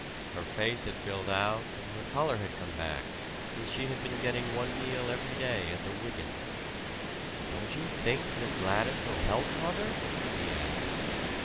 Her face had filled out and her color had come back, since she had been getting one meal every day at the Wygant's. "Don't you think Miss Gladys will help, mother?" she asked.